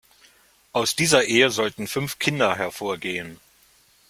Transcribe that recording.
Aus dieser Ehe sollten fünf Kinder hervorgehen.